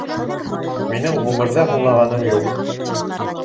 Минең ғүмерҙә һуңлағаным юҡ!